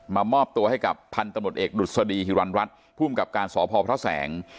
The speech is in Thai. มามอบตัวให้กับพันธุ์ตำรวจเอกดุษฎีฮิวันรัฐภูมิกับการสอบพ่อพระแสง